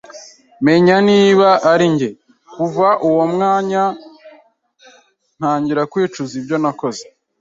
menya niba ari njye; kuva uwo mwanya ntangira kwicuza ibyo nakoze.